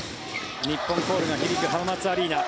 日本コールが響く浜松アリーナ。